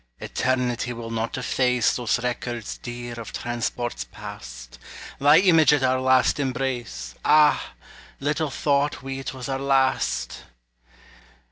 Eternity will not efface Those records dear of transports past; Thy image at our last embrace; Ah! little thought we 't was our last!